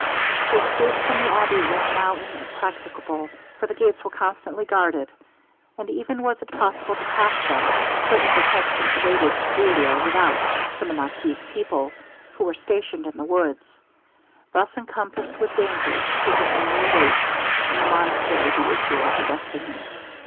To escape from the abbey was now inpracticable, for the gates were constantly guarded; and even was it possible to pass them, certain detection awaited Julia without from the marquis's people, who were stationed in the woods. Thus encompassed with danger, she could only await in the monastery the issue of her destiny.